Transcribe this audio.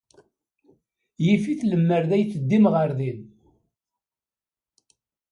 Yif-it lemmer d ay teddim ɣer din.